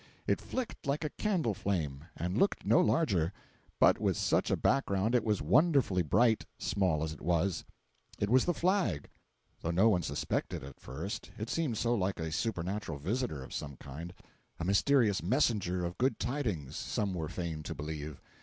It flicked like a candle flame, and looked no larger; but with such a background it was wonderfully bright, small as it was. It was the flag!—though no one suspected it at first, it seemed so like a supernatural visitor of some kind—a mysterious messenger of good tidings, some were fain to believe.